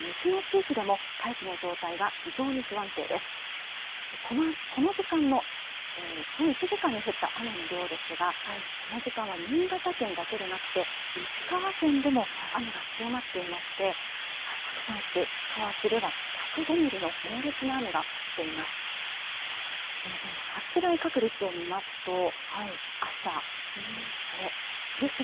この時間のこの１時間に降った雨の量ですがこの時間は新潟県だけではなくて石川県でも雨が強まっていまして白山市河内では１０５ミリの猛烈な雨が降っています。